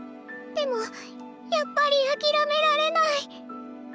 でもやっぱり諦められない。